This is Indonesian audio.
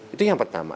itu yang pertama